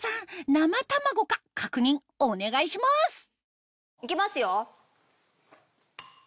生卵か確認お願いします行きますよ。